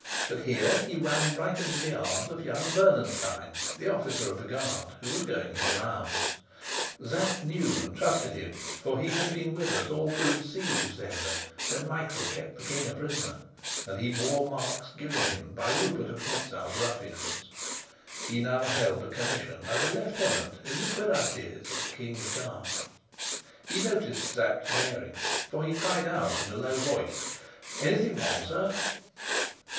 But here he ran right into the arms of young Bernenstein, the officer of the guard, who was going his rounds. Sapt knew and trusted him, for he had been with us all through the siege of Zenda, when Michael kept the king a prisoner, and he bore marks given him by Rupert of Hentzau's ruffians. He now held a commission as lieutenant in the cuirassiers of the King's Guard. He noticed Sapt's bearing, for he cried out in a low voice, "Anything wrong, sir?"